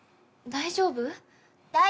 大丈夫！